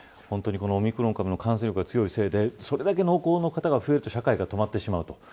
本当にオミクロン株の感染力が強いせいでそれだけ濃厚の方が増えると社会が止まってしまうと。